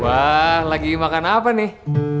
wah lagi makan apa nih